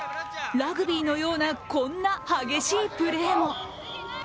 ラグビーのようなこんな激しいプレーも。